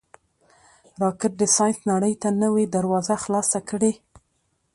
راکټ د ساینس نړۍ ته نوې دروازه خلاصه کړې